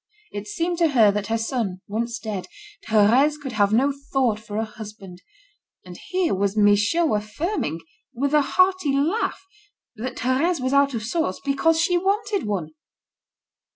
It seemed to her that her son, once dead, Thérèse could have no thought for a husband, and here was Michaud affirming, with a hearty laugh, that Thérèse was out of sorts because she wanted one.